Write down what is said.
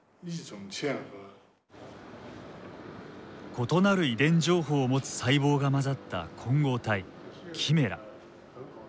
異なる遺伝情報を持つ細胞が混ざった混合体キメラ。